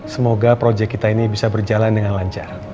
semoga proyek kita ini bisa berjalan dengan lancar